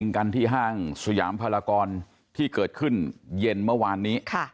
กันที่ห้างสยามพลากรที่เกิดขึ้นเย็นเมื่อวานนี้